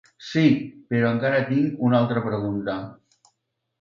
Sí, però encara tinc una altra pregunta.